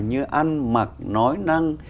như ăn mặc nói năng